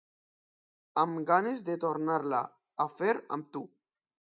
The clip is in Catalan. Amb ganes de tornar-la a fer amb tu.